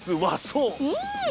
うん！